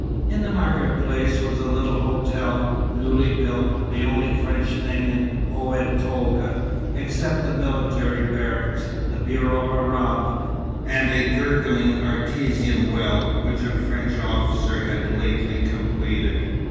In the market place was the little hotel, newly built; the only French thing in Oued Tolga, except the military barracks, the Bureau Arabe, and a gurgling artesian well which a French officer had lately completed.